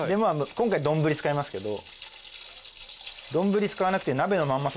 今回丼使いますけど。